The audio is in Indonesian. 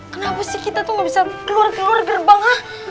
kenapa sih kita tuh gak bisa keluar keluar gerbang lah